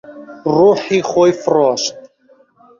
ڕۆحی خۆی فرۆشت.